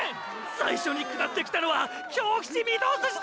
最初に下ってきたのは京伏御堂筋だ！！